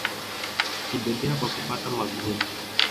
Kidedea kwa kupata magoli mia moja thelathini na sita